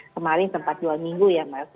kemarin tempat jual minggu ya mbak elvi